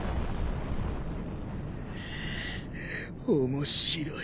面白い。